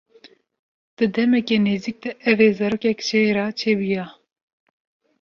Di demeke nêzik de ew ê zarokek jê re çêbûya.